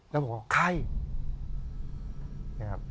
แล้วผมบอกใคร